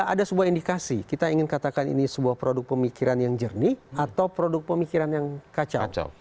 ada sebuah indikasi kita ingin katakan ini sebuah produk pemikiran yang jernih atau produk pemikiran yang kacau